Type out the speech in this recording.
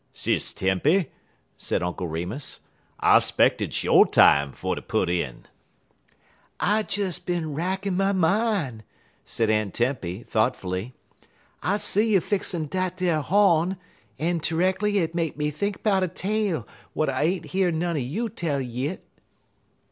"Sis Tempy," said Uncle Remus, "I 'speck it's yo' time fer ter put in." "I des bin rackin' my min'," said Aunt Tempy, thoughtfully. "I see you fixin' dat ar hawn, en terreckerly hit make me think 'bout a tale w'at I ain't year none en you tell yit."